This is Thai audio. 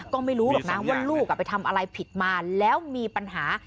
ก็ไม่รู้หรอกนะว่าลูกไปทำอะไรผิดมาแล้วมีปัญหา